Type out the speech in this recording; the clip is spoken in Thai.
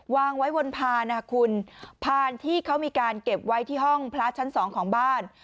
วางไว้บนพานนะคุณพานที่เขามีการเก็บไว้ที่ห้องพระชั้น๒ของบ้าน